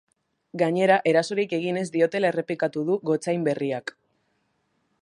Gainera, erasorik egin ez diotela errepikatu du gotzain berriak.